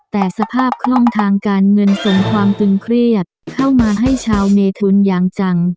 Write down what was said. แต่สภาพคล่องทางการเงินส่งความตึงเครียดเข้ามาให้ชาวเมทุนอย่างจัง